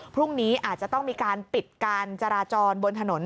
พรุ่งนี้อาจจะต้องมีการปิดการจราจรบนถนน